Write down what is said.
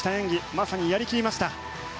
まさにやり切りました。